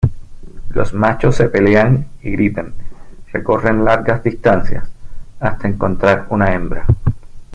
Los machos se pelean y gritan, recorren largas distancias hasta encontrar una hembra.